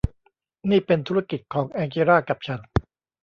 นี่เป็นธุรกิจของแองเจล่ากับฉัน